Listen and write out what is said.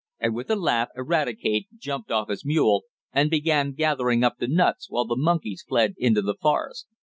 and with a laugh Eradicate jumped off his mule, and began gathering up the nuts, while the monkeys fled into the forest.